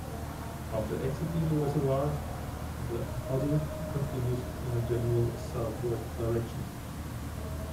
After exiting the reservoir, the Hodder continues in a general southward direction.